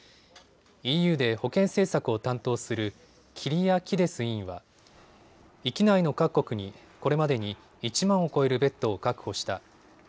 ＥＵで保健政策を担当するキリアキデス委員は域内の各国にこれまでに１万を超えるベッドを確保した。